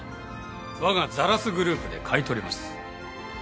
わがザラスグループで買い取ります。